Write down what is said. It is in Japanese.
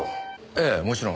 ええもちろん。